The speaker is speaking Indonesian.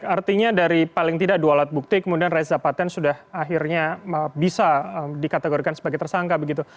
artinya dari paling tidak dua alat bukti kemudian reza paten sudah akhirnya bisa dikategorikan sebagai tersangka begitu